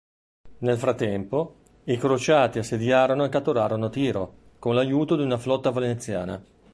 Nel frattempo, i crociati assediarono e catturarono Tiro, con l'aiuto di una flotta veneziana.